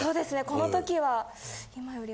この時は。